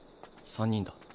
３人だ。